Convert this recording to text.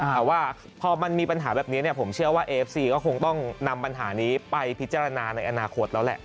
แต่ว่าพอมันมีปัญหาแบบนี้ผมเชื่อว่าเอฟซีก็คงต้องนำปัญหานี้ไปพิจารณาในอนาคตแล้วแหละ